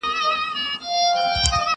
ما در وبخښل لس كاله نعمتونه!.